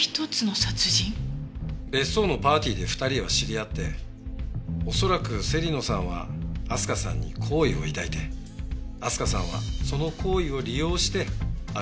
別荘のパーティーで２人は知り合って恐らく芹野さんは明日香さんに好意を抱いて明日香さんはその好意を利用してある計画を持ちかけた。